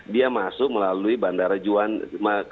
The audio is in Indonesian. dia masuk melalui bandara juanda